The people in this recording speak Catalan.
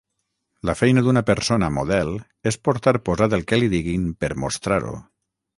La feina d'una persona model és portar posat el que li diguin per mostrar-ho.